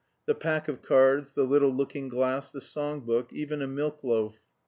The pack of cards, the little looking glass, the song book, even a milk loaf.